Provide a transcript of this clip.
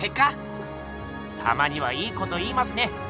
たまにはいいこと言いますね。